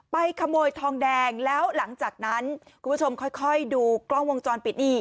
ขโมยทองแดงแล้วหลังจากนั้นคุณผู้ชมค่อยดูกล้องวงจรปิดนี่